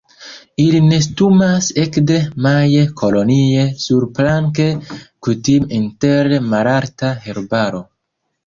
Ili nestumas ekde maje kolonie surplanke, kutime inter malalta herbaro.